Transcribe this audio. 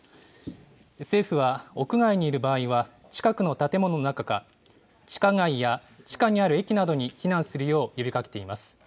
政府は屋外にいる場合は、近くの建物の中か、地下街や地下にある駅などに避難するよう呼びかけています。